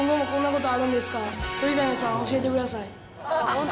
本当。